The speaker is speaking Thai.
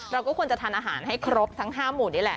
เราก็ควรจะทานอาหารให้ครบทั้ง๕หมู่นี่แหละ